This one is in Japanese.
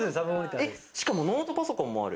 ノートパソコンもある。